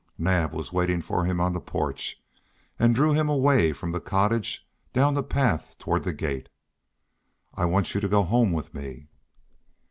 Naab was waiting for him on the porch, and drew him away from the cottage down the path toward the gate. "I want you to go home with me."